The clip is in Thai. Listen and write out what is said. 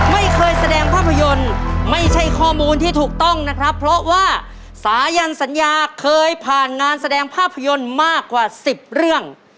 ไม่เคยแสดงภาพยนตร์ไม่ใช่ข้อมูลที่ถูกต้องนะครับเพราะว่าสายันสัญญาเคยผ่านงานแสดงภาพยนตร์มากกว่า๑๐เรื่อง